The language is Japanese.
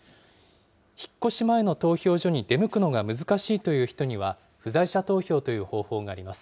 引っ越し前の投票所に出向くのが難しいという人は、不在者投票という方法があります。